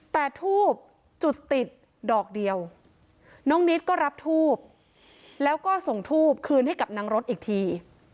แต่ทูบจุดติดดอกเดียวน้องนิดก็รับทูบแล้วก็ส่งทูบคืนให้กับนางรถอีกที